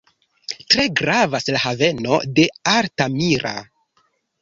Tre gravas la haveno de Altamira.